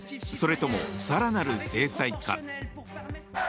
それとも更なる制裁か。